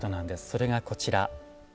それがこちら。